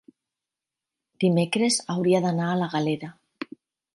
dimecres hauria d'anar a la Galera.